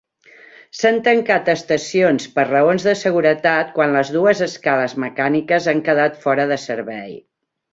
S'han tancat estacions, per raons de seguretat, quan les dues escales mecàniques han quedat fora de servei.